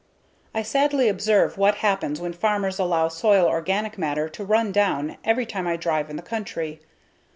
I sadly observe what happens when farmers allow soil organic matter to run down every time I drive in the country.